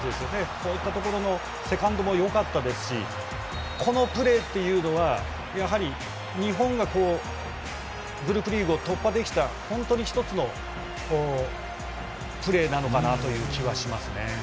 こういったところのセカンドもよかったですしこのプレーというのはやはり日本がグループリーグを突破できた本当に１つのプレーなのかなという気はしますね。